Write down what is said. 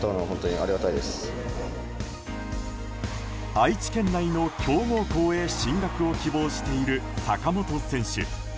愛知県内の強豪校へ進学を希望している坂本選手。